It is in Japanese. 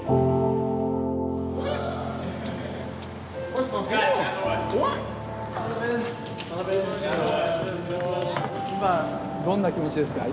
今どんな気持ちですか？